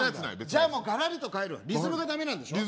じゃもうガラリと変えるわリズムがダメなんでしょ？